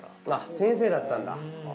先生だったんだ。